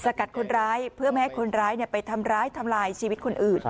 กัดคนร้ายเพื่อไม่ให้คนร้ายไปทำร้ายทำลายชีวิตคนอื่น